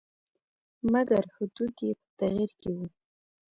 مګر حدود یې په تغییر کې وو.